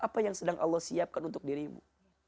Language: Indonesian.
apa yang sedang allah siapkan untuk dirimu